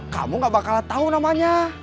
kamu gak bakal tau namanya